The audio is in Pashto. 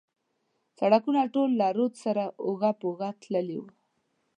سړکونه ټول له رود سره اوږه پر اوږه تللي و.